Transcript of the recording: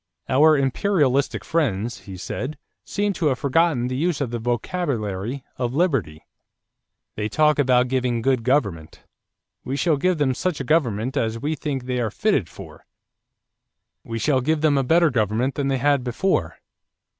"Our imperialistic friends," he said, "seem to have forgotten the use of the vocabulary of liberty. They talk about giving good government. 'We shall give them such a government as we think they are fitted for.' 'We shall give them a better government than they had before.'